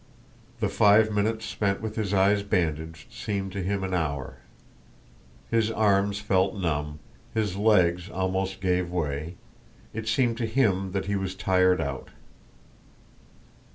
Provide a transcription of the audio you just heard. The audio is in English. The five minutes spent with his eyes bandaged seemed to him an hour. His arms felt numb, his legs almost gave way, it seemed to him that he was tired out.